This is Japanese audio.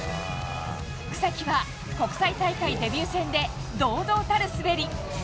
草木は国際大会デビュー戦で堂々たる滑り。